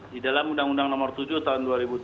di dalam undang undang nomor tujuh tahun dua ribu tujuh belas